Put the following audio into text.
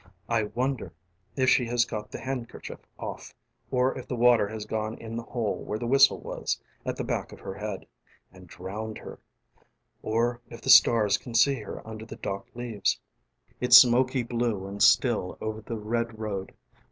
┬Ā┬ĀI wonder ┬Ā┬Āif she has got the handkerchief off ┬Ā┬Āor if the water has gone in the hole ┬Ā┬Āwhere the whistle was ┬Ā┬Āat the back of her head ┬Ā┬Āand drowned herŌĆ" ┬Ā┬Āor if the stars ┬Ā┬Ācan see her under the dock leaves? :: It's smoky blue and still over the red road.